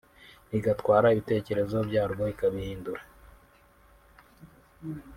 igatwara ibitekerezo byarwo ikabihindura